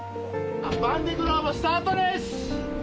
ヴァンデ・グローブスタートです！